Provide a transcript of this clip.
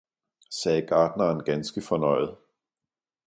sagde gartneren ganske fornøjet.